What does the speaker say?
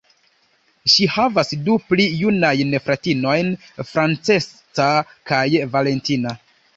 Ŝi havas du pli junajn fratinojn, Francesca kaj Valentina.